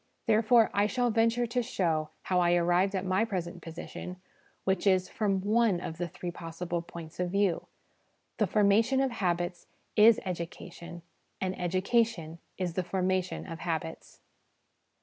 Therefore, I shall venture to show how I arrived at my present position, which is, from one of the three possible points of view The formation of habits is education, and Education is the formation of habits.